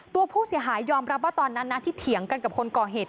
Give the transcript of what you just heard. ตัวผู้เสียหายยอมรับว่าตอนนั้นนะที่เถียงกันกับคนก่อเหตุ